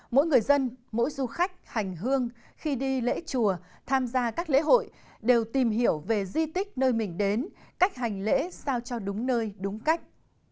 mỗi người dân mỗi du khách hành hương khi đi lễ chùa tham gia các lễ hội đều tìm hiểu về di tích nơi mình đến cách hành lễ sao cho đúng nơi đúng cách